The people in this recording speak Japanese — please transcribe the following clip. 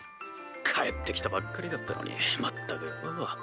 帰って来たばっかりだってのにまったくよ。